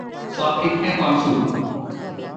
ซอสพริกให้ความฉุน